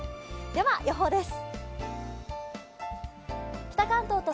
では予報です。